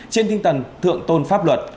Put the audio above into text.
trên tinh tần thượng tôn pháp luật